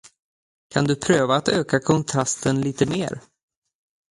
Kan du prova att öka kontrasten lite mer?